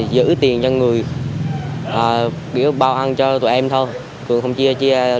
điều đó là